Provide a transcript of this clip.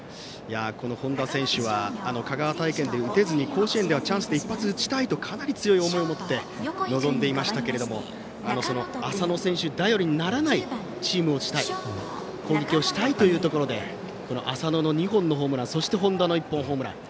本田選手は香川大会で打てずに、甲子園ではチャンスで一発打ちたいとかなり強いを思いを持って臨んでいましたけど浅野選手頼りにならないチームにしたい攻撃をしたいというところで浅野の２本のホームランそして、本田の１本のホームラン。